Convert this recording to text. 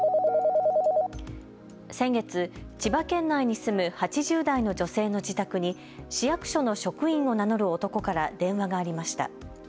先月、千葉県内に住む８０代の女性の自宅に市役所の職員を名乗る男から電話がありました。